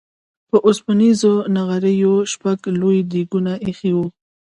په اوسپنيزو نغريو شپږ لوی ديګونه اېښي وو.